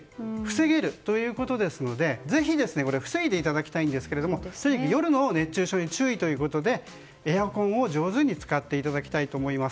防げるということですのでぜひ防いでいただきたいんですがとにかく夜の熱中症に注意ということでエアコンを上手に使っていただきたいと思います。